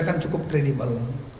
kan cukup kredibel